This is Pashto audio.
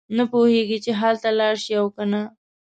نه پوهېږي چې هلته لاړ شي او کنه.